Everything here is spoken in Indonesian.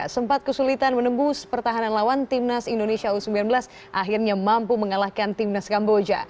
sempat kesulitan menembus pertahanan lawan timnas indonesia u sembilan belas akhirnya mampu mengalahkan timnas kamboja